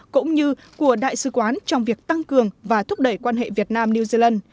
cũng như của đại sứ quán trong việc tăng cường và thúc đẩy quan hệ việt nam new zealand